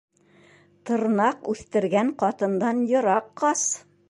Тырнаҡ үҫтергән ҡатындан йыраҡ ҡас.